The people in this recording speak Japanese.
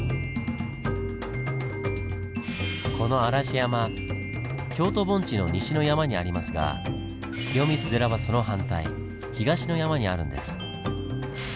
この嵐山京都盆地の西の山にありますが清水寺はその反対東の山にあるんです。